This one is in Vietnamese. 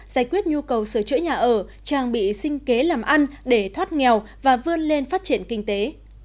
giải quyết nhu cầu sửa chữa nhà ở trang bị sinh kế làm ăn để thoát nghèo và vươn lên phát triển kinh tế